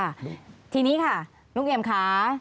ค่ะทีนี้ค่ะลุงเอี่ยมค่ะ